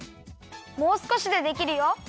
もうすこしでできるよ。